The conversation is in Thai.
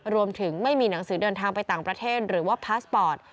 รวมถึงไม่มีหนังสือเดินทางไปต่างประเทศหรือว่าพาสปอร์ต